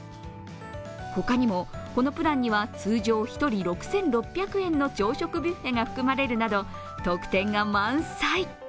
他にもこのプランには通常１人６６００円の朝食ビュッフェが含まれるなど特典が満載。